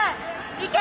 いけ！